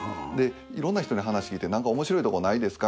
いろんな人に話聞いて何かおもしろいとこないですか？